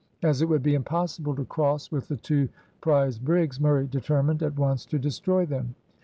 As it would be impossible to cross with the two prize brigs, Murray determined at once to destroy them.